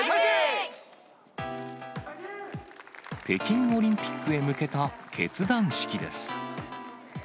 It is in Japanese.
北京オリンピックへ向けた結団式です。